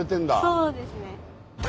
そうですね。